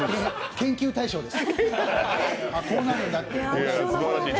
研究対象です。